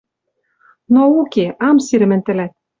Но уке, ам сирӹ мӹнь тӹлӓт